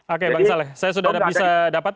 oke bang saleh saya sudah bisa dapat